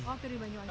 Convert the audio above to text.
waktu di banyuwangi